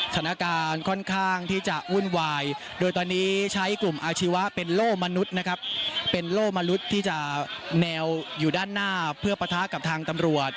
สถานการณ์ค่อนข้างที่จะวุ่นวายโดยตอนนี้ใช้กลุ่มอาชีวะเป็นโล่มนุษย์นะครับเป็นโล่มนุษย์ที่จะแนวอยู่ด้านหน้าเพื่อปะทะกับทางตำรวจ